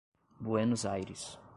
Buenos Aires